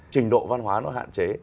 trình độ văn hóa nó hạn chế